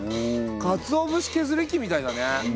かつお節削り器みたいだね。